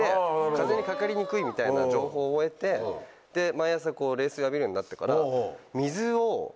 風邪にかかりにくいみたいな情報を得て毎朝冷水浴びるようになってから。